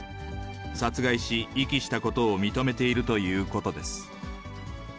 殺害し、遺棄したことを認めているということです。